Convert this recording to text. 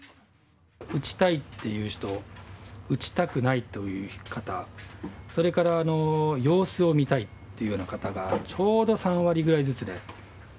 打ちたいっていう人、打ちたくないという方、それから様子を見たいっていうような方が、ちょうど３割ぐらいずつで。